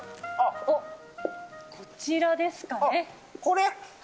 こちらですかね。